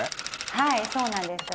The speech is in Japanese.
はいそうなんです。